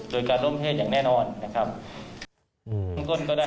โดยการล้มเทศอย่างแน่นอนนะครับ